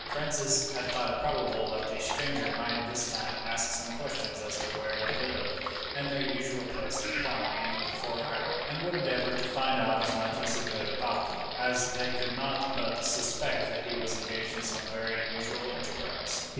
Francis had thought it probable that the stranger might this time ask some questions as to where they lived and their usual place of plying for hire, and would endeavour to find out as much as he could about them, as they could not but suspect that he was engaged in some very unusual enterprise.